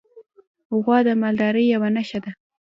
غوا د مالدارۍ یوه نښه ده.